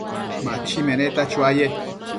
Nachi meneta chuaye